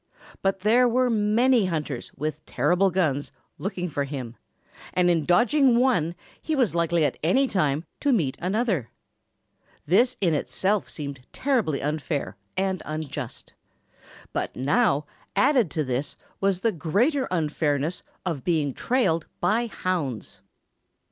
But there were many hunters with terrible guns looking for him, and in dodging one he was likely at any time to meet another. This in itself seemed terribly unfair and unjust. But now, added to this was the greater unfairness of being trailed by hounds.